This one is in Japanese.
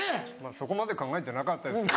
そこまで考えてなかったですけど。